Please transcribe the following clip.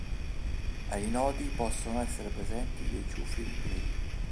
Ai nodi possono essere presenti dei ciuffi di peli.